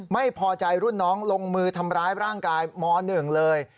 ไม่พอใจรุ่นน้องลงมือทำร้ายร่างกายม๑เลย